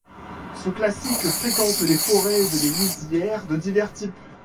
Ce cassique fréquente les forêts et les lisières de divers types.